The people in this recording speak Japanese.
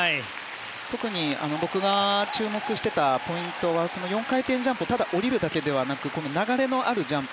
特に僕が注目していたポイントは４回転ジャンプただ降りるだけでなく流れのあるジャンプ。